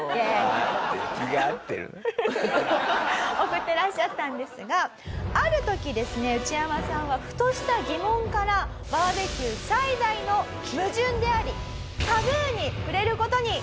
送ってらっしゃったんですがある時ですねウチヤマさんはふとした疑問からバーベキュー最大の矛盾でありタブーに触れる事になるんです。